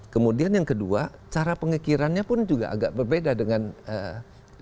kemudian yang kedua cara pengikirannya pun juga agak berbeda dengan mobil lain